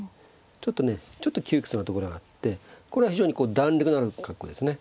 ちょっとねちょっと窮屈なところがあってこれは非常にこう弾力のある格好ですね。